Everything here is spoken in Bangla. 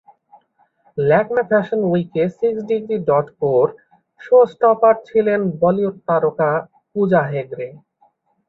ল্যাকমে ফ্যাশন উইকে six degree dot core show stopper ছিলেন বলিউড তারকা পূজা হেগড়ে